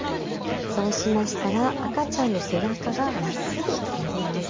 そうしましたら赤ちゃんの背中がまっすぐなります。